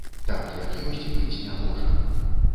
Так, як ёсць, быць не можа.